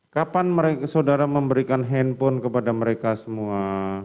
kapan saudara memberikan handphone kepada mereka semua